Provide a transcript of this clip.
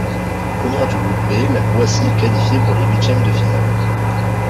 Première du Groupe B, la Croatie est qualifiée pour les huitièmes de finale.